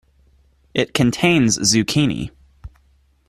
It contains Zucchini.